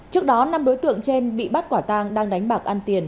trước đó năm đối tượng trên bị bắt quả tang đang đánh bạc ăn tiền